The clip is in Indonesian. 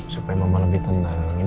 supaya mama lebih tenang